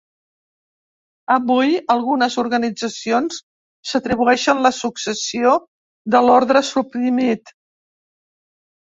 Avui, algunes organitzacions s'atribueixen la successió de l'orde suprimit.